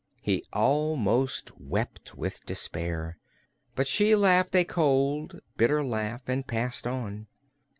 He almost wept with despair, but she laughed a cold, bitter laugh and passed on.